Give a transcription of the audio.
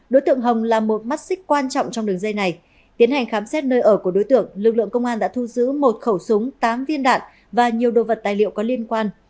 đối tượng hồng là một mắt xích quan trọng trong đường dây này tiến hành khám xét nơi ở của đối tượng lực lượng công an đã thu giữ một khẩu súng tám viên đạn và nhiều đồ vật tài liệu có liên quan